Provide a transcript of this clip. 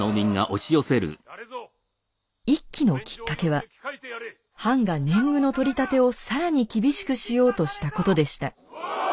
一揆のきっかけは藩が年貢の取り立てを更に厳しくしようとしたことでした。